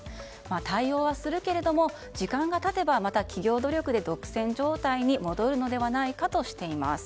対応はするけれども時間が経てば、また企業努力で独占状態に戻るのではないかとしています。